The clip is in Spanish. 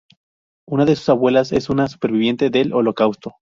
Una de sus abuelas es una superviviente del Holocausto.